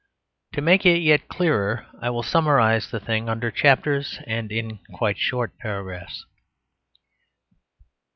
To make it yet clearer, I will summarise the thing under chapters, and in quite short paragraphs.